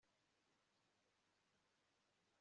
Jeanne yibagiwe kuzimya itara